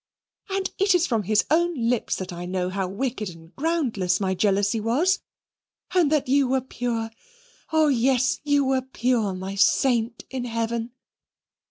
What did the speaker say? And it is from his own lips that I know how wicked and groundless my jealousy was; and that you were pure oh, yes, you were pure, my saint in heaven!"